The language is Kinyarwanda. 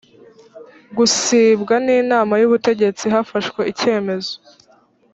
gusibwa n inama y ubutegetsi hafashwe icyemezo